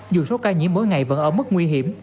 dù số ca nhiễm mỗi ngày vẫn ở mức nguy hiểm